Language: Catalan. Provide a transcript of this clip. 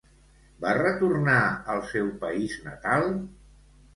Va retornar al seu país natal?